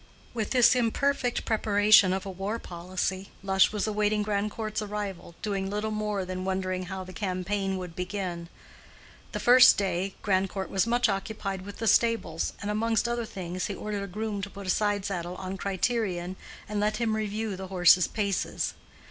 With this imperfect preparation of a war policy, Lush was awaiting Grandcourt's arrival, doing little more than wondering how the campaign would begin. The first day Grandcourt was much occupied with the stables, and amongst other things he ordered a groom to put a side saddle on Criterion and let him review the horse's paces.